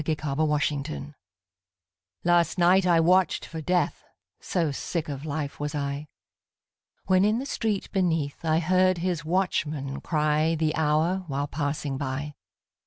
TIME AND DEATH AND LOVE. Last night I watched for Death So sick of life was I! When in the street beneath I heard his watchman cry The hour, while passing by.